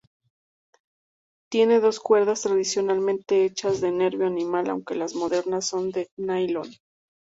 Tiene dos cuerdas, tradicionalmente hechas de nervio animal, aunque las modernas son de nailon.